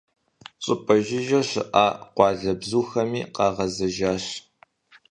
ЩӀыпӀэ жыжьэ щыӀа къуалэбзухэми къагъэзэжащ.